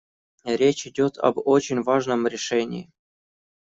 Речь идет об очень важном решении.